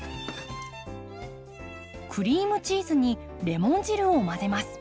クリームチーズにレモン汁を混ぜます。